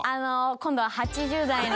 今度は８０代の。